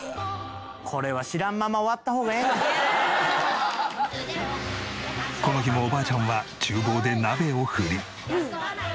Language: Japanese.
これはこの日もおばあちゃんは厨房で鍋を振り。